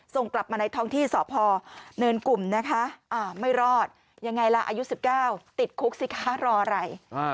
ส่งกลับมาในท้องที่สพเนินกลุ่มนะคะไม่รอดยังไงล่ะอายุ๑๙ติดคุกสิคะรออะไร